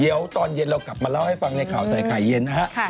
เดี๋ยวตอนเย็นเรากลับมาเล่าให้ฟังในข่าวใส่ไข่เย็นนะฮะ